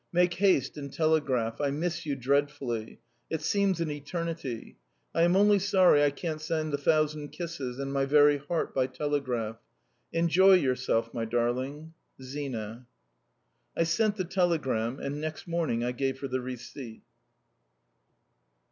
Make haste and telegraph; I miss you dreadfully. It seems an eternity. I am only sorry I can't send a thousand kisses and my very heart by telegraph. Enjoy yourself, my darling. ZINA." I sent the telegram, and next morning I gave her the receipt.